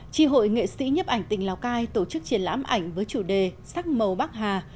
tri hội nghệ sĩ nhấp ảnh tỉnh lào cai tổ chức triển lãm ảnh với chủ đề sắc màu bắc hà